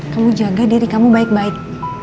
kamu jaga diri kamu baik baik